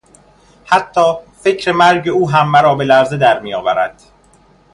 حتی فکر مرگ او هم مرا به لرزه در میآورد.